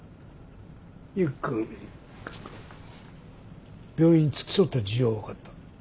祐樹君病院に付き添った事情は分かった。